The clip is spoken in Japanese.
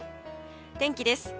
天気です。